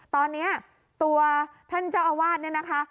ตอนนี้ตัวท่านเจ้าอาวาสเนี่ยนะคะ